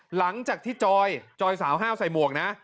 หลังจากที่จอยจอยสาวห้าวใส่หมวกนะ